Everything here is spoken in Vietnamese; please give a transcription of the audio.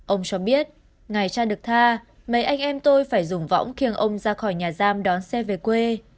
ông cho biết ngày cha được tha mấy anh em tôi phải dùng võng khiêng ông ra khỏi nhà giam đón xe về quê